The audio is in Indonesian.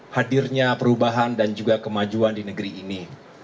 hadirnya perubahan dan juga kemajuan di negeri ini